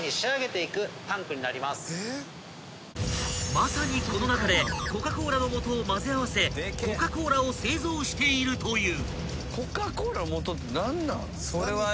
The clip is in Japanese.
［まさにこの中でコカ・コーラの素を混ぜ合わせコカ・コーラを製造しているという］